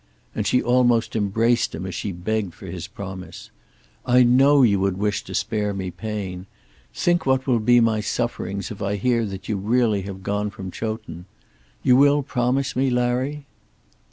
And she almost embraced him as she begged for his promise. "I know you would wish to spare me pain. Think what will be my sufferings if I hear that you have really gone from Chowton. You will promise me, Larry?"